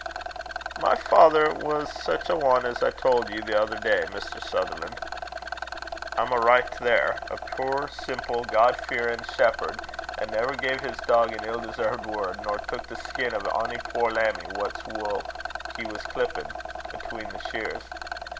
"My father was sic a ane as I tauld ye the ither day, Mr. Sutherlan'. I'm a' richt there. A puir, semple, God fearin' shepherd, 'at never gae his dog an ill deserved word, nor took the skin o' ony puir lammie, wha's woo' he was clippin', atween the shears.